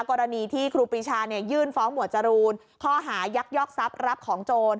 กรณีที่ครูปีชายื่นฟ้องหมวดจรูนข้อหายักยอกทรัพย์รับของโจร